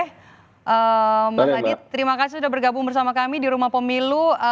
terima kasih sudah bergabung bersama kami di rumah pemilu